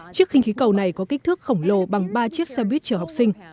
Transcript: chiếc khinh khí cầu này có kích thước khổng lồ bằng ba chiếc xe buýt chở học sinh